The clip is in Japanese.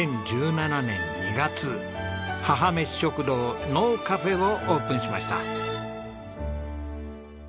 ２０１７年２月母めし食堂のうカフェをオープンしました。